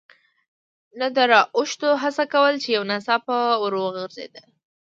نه د را اوښتو هڅه کول، چې یو ناڅاپه ور وغورځېد.